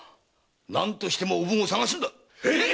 何としてもおぶんを捜すんだ！へいっ！